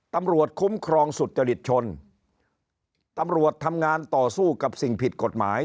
ตำรวจคุ้มครองสุจริตชนตำรวจทำงานต่อสู้กับสิ่งผิดกฎหมาย